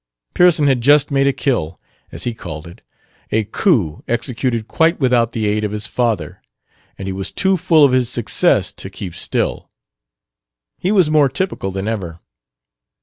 Pearson had just made a "kill," as he called it a coup executed quite without the aid of his father, and he was too full of his success to keep still; he was more typical than ever.